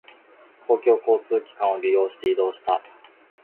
公共交通機関を利用して移動した。